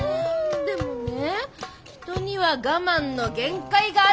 でもね人には我慢の限界があるんだよ！